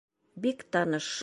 Бик таныш.